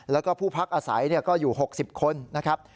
แล้วก็ผู้พักอาศัยก็อยู่๖๐คนนะครับ